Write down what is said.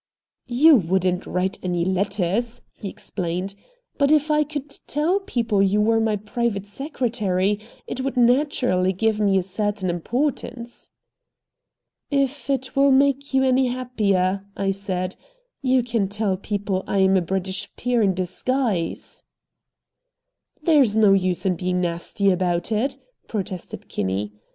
"You wouldn't write any letters," he explained. "But if I could tell people you were my private secretary, it would naturally give me a certain importance." "If it will make you any happier," I said, "you can tell people I am a British peer in disguise." "There is no use in being nasty about it," protested Kinney.